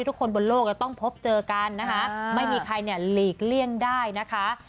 ทุกคนบนโลกจะต้องพบเจอกันนะคะไม่มีใครเนี่ยหลีกเลี่ยงได้นะคะ